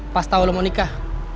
pas tau lo mau nikah